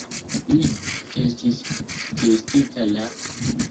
Li estis vestita la?